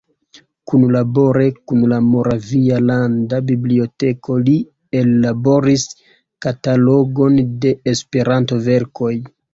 Kunlabore kun la Moravia landa biblioteko li ellaboris katalogon de Esperanto-verkoj.